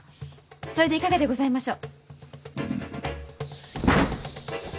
それでいかがでございましょう？